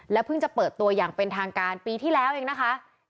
เพิ่งจะเปิดตัวอย่างเป็นทางการปีที่แล้วเองนะคะ